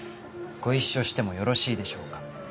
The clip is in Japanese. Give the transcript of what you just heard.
ご一緒してもよろしいでしょうか？